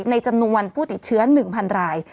จำนวนผู้ติดเชื้อ๑๐๐๐ราย